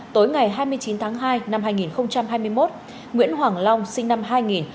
tối ngày hai mươi chín tháng hai năm hai nghìn hai mươi một nguyễn hoàng long sinh năm hai nghìn